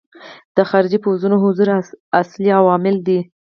د خارجي پوځونو حضور اصلي عامل دی.